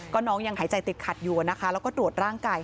ก็น้องยังหายใจติดขัดอยู่แล้วก็ตรวจร่างกายให้ด้วย